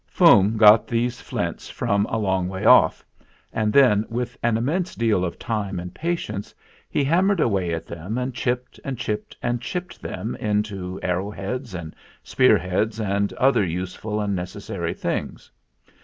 Fum got these flints from a long way off, and then, with an immense deal of time and 22 THE MAKING OF THE CHARM 23 patience, he hammered away at them and chipped and chipped and chipped them into arrow heads and spear heads and other use ful and necessary things.